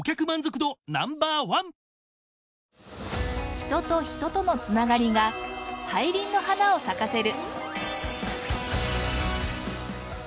人と人との繋がりが大輪の花を咲かせる。